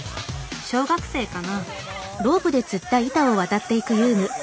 小学生かな？